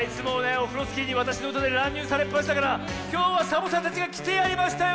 オフロスキーにわたしのうたでらんにゅうされっぱなしだからきょうはサボさんたちがきてやりましたよ！